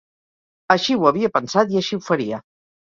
Així ho havia pensat i així ho faria.